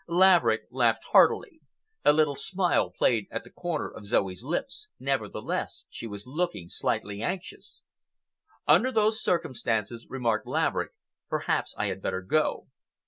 Laverick laughed heartily. A little smile played at the corner of Zoe's lips—nevertheless, she was looking slightly anxious. "Under those circumstances," remarked Laverick, "perhaps I had better go.